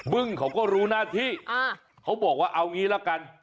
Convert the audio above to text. ึ้งเขาก็รู้หน้าที่เขาบอกว่าเอางี้ละกัน